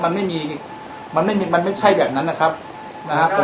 มันไม่มีมันไม่มีมันไม่ใช่แบบนั้นนะครับนะฮะ